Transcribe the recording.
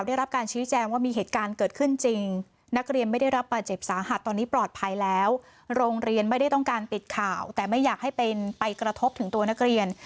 ว่าเขาไม่ได้ต้องการปิดข่าวแต่ไม่อยากให้เป็นเอาไปกระทบถึงนักเรียน